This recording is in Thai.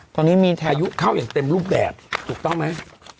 ใช่ค่ะอายุเข้าอย่างเต็มรูปแดดถูกต้องไหม